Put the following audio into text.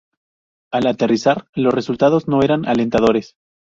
Al aterrizar los resultados no eran alentadores.